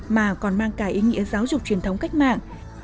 mà còn mang cả ý nghĩa giáo dục truyền thống cách mạng